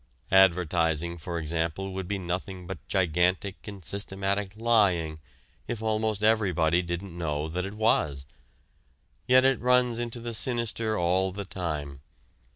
Advertising, for example, would be nothing but gigantic and systematic lying if almost everybody didn't know that it was. Yet it runs into the sinister all the time.